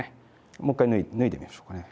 もう一回脱いでみましょうかね。